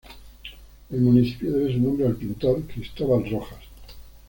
El municipio debe su nombre al pintor Cristóbal Rojas.